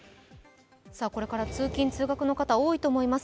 これから通勤・通学の方、多いと思います